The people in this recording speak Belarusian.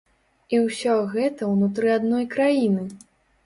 І ўсё гэта ўнутры адной краіны!